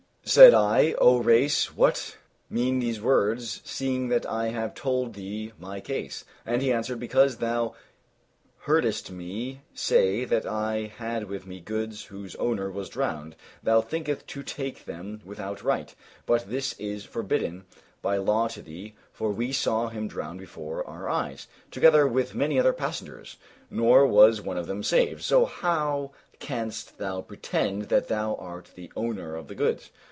Said I, "O Rais, what mean these words, seeing that I have told thee my case?" And he answered, "Because thou heardest me say that I had with me goods whose owner was drowned, thou thinkest to take them without right; but this is forbidden by law to thee, for we saw him drown before our eyes, together with many other passengers, nor was one of them saved. So how canst thou pretend that thou art the owner of the goods?"